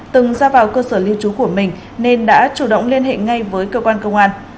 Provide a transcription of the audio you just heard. từng ra vào cơ sở lưu trú của mình nên đã chủ động liên hệ ngay với cơ quan công an